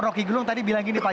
rocky gerung tadi bilang gini pak